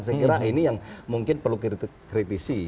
saya kira ini yang mungkin perlu dikritisi